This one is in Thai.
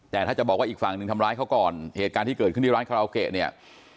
แต่ถ้าจะบอกว่าอีกฝั่งหนึ่งทำร้ายเขาก่อนเหตุการณ์ที่เกิดขึ้นที่ร้านคาราโอเกะเนี่ย